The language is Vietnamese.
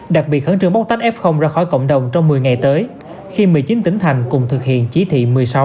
đặc biệt khẩn trương bóc tách f ra khỏi cộng đồng trong một mươi ngày tới khi một mươi chín tỉnh thành cùng thực hiện chỉ thị một mươi sáu